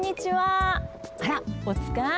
あらおつかい？